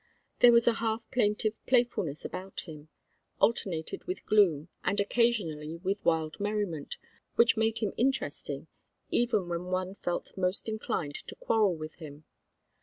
There was a half plaintive playfulness about him, alternated with gloom, and occasionally with wild merriment, which made him interesting even when one felt most inclined to quarrel with him.